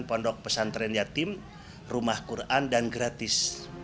pondok pesantren yatim rumah quran dan gratis